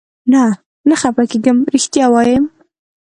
نه، نه خفه کېږم، رښتیا وایې؟